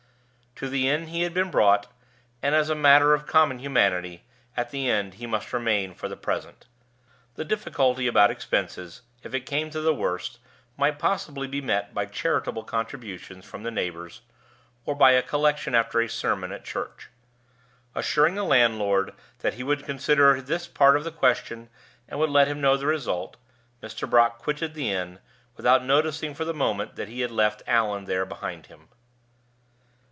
To the inn he had been brought, and, as a matter of common humanity, at the inn he must remain for the present. The difficulty about expenses, if it came to the worst, might possibly be met by charitable contributions from the neighbors, or by a collection after a sermon at church. Assuring the landlord that he would consider this part of the question and would let him know the result, Mr. Brock quitted the inn, without noticing for the moment that he had left Allan there behind him.